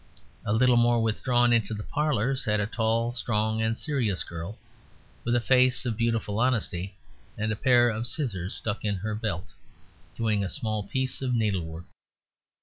A little more withdrawn into the parlour sat a tall, strong, and serious girl, with a face of beautiful honesty and a pair of scissors stuck in her belt, doing a small piece of needlework.